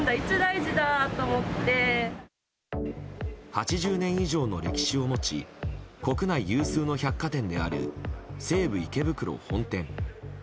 ８０年以上の歴史を持ち国内有数の百貨店である西武池袋本店。